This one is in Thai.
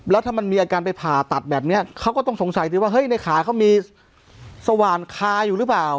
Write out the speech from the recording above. แล้วถ้ามันมีอาการไปผ่าตัดแบบนี้เขาก็ต้องสงสัยสิว่าเฮ้ยในขาเขามีสว่านคาอยู่หรือเปล่า